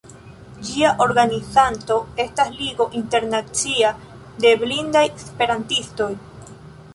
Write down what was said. Ĝia organizanto estas Ligo Internacia de Blindaj Esperantistoj.